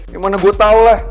emang mana gue tau lah